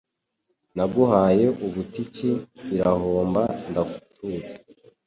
Naguhaye butiki irahomba ndatuza